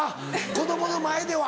子供の前では。